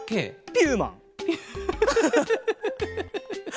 ピューマン。